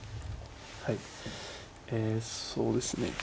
はいえそうですね